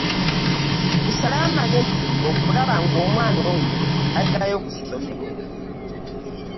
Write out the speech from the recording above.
Tusale amagezi okulaba ng'omwana oyo addayo ku ssomero.